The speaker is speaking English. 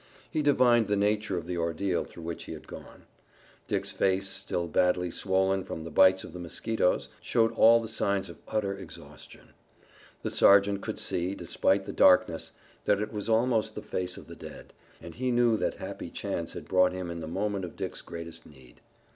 He divined the nature of the ordeal through which he had gone. Dick's face, still badly swollen from the bites of the mosquitoes, showed all the signs of utter exhaustion. The sergeant could see, despite the darkness, that it was almost the face of the dead, and he knew that happy chance had brought him in the moment of Dick's greatest need.